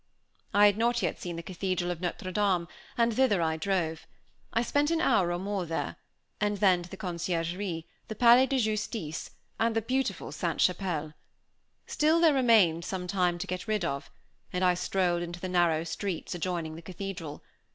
I had not yet seen the cathedral of Notre Dame, and thither I drove. I spent an hour or more there; and then to the Conciergerie, the Palais de Justice, and the beautiful Sainte Chapelle. Still there remained some time to get rid of, and I strolled into the narrow streets adjoining the cathedral.